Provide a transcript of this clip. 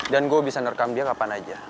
dan gue bisa nerekam dia kapan aja